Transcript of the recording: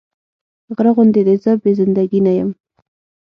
غره غوندې دې زه بې زنده ګي نه يم